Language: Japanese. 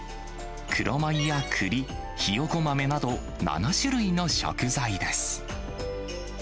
黒米やくり、ひよこ豆など、７種類の食材です。